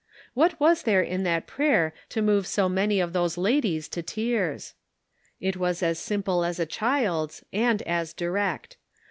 What was there in that prayer to move so many of those ladies to tears? It was as simple as a child's and as direct.